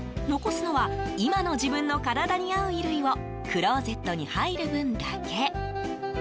残すのは今の自分の体に合う衣類をクローゼットに入る分だけ。